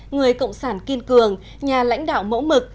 người cộng sản kiên cường nhà lãnh đạo mẫu mực